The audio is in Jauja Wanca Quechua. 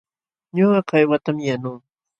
Ñuqa kaywatam yanuu.